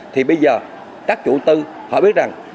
thì bây giờ các chủ tư họ biết rằng